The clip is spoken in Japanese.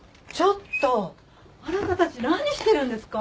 あなたたち何してるんですか！？